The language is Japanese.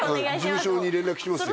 事務所に連絡しますよ